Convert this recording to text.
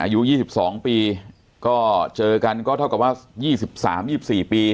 อายุยี่สิบสองปีก็เจอกันก็เท่ากับว่ายี่สิบสามยี่สิบสี่ปี